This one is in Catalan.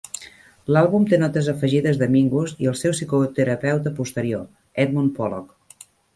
L"àlbum té notes afegides de Mingus i el seu psicoterapeuta posterior, Edmund Pollock.